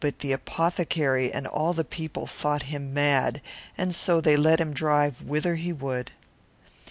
The apothecary and all the people thought him mad, and let him drive where he liked.